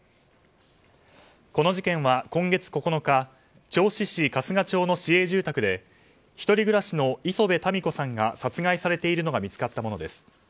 この事件は今月９日銚子市春日町の市営住宅で１人暮らしの磯辺たみ子さんが殺害されているのが見つかったものです。